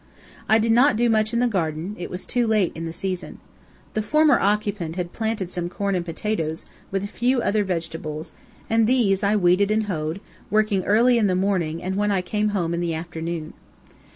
I did not do much in the garden; it was too late in the season. The former occupant had planted some corn and potatoes, with a few other vegetables, and these I weeded and hoed, working early in the morning and when I came home in the afternoon.